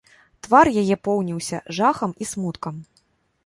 Твар яе поўніўся жахам і смуткам.